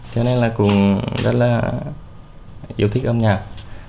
cho nên là cũng rất là yêu thích âm nhạc